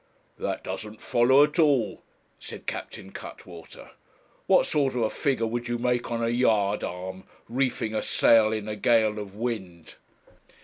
'That doesn't follow at all,' said Captain Cuttwater, 'What sort of a figure would you make on a yard arm, reefing a sail in a gale of wind?'